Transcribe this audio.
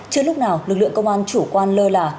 chưa lúc nào lực lượng công an chủ quan lơ là